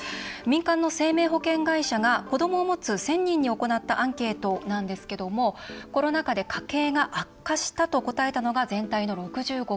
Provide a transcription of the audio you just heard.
民間の生命保険会社が子どもを持つ１０００人に行ったアンケートなんですけどもコロナ禍で家計が悪化したと答えたのが全体の６５％。